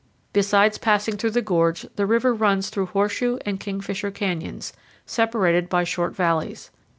Besides passing through the gorge, the river runs through Horseshoe and Kingfisher canyons, separated by short valleys.